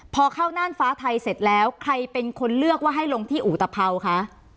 พอเข้าน่านฟ้าไทยเสร็จแล้วใครเป็นคนเลือกว่าให้ลงที่อุตภาวคะ